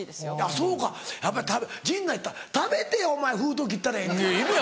そうかやっぱり陣内食べてお前封筒切ったらええねん。